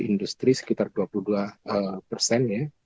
industri sekitar dua puluh dua persen ya